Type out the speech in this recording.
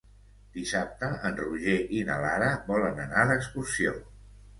Dissabte en Roger i na Lara volen anar d'excursió.